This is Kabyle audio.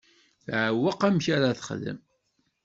Teɛweq amek ara texdem.